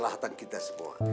untuk kemaslahan kita semua